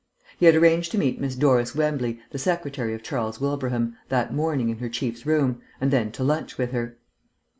He had arranged to meet Miss Doris Wembley, the secretary of Charles Wilbraham, that morning in her chief's room, and then to lunch with her.